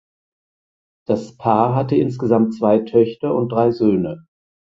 Das Paar hatte insgesamt zwei Töchter und drei Söhne.